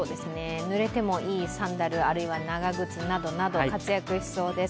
ぬれてもいいサンダル、あるいは長靴などなど活躍しそうです。